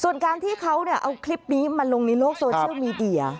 ส่วนการที่เขาเอาคลิปนี้มาลงในโลกโซเชียลมีเดีย